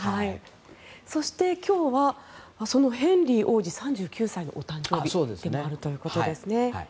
そして今日はそのヘンリー王子、３９歳のお誕生日ということですね。